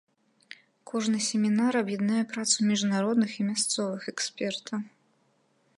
Кожны семінар аб'яднае працу міжнародных і мясцовых экспертаў.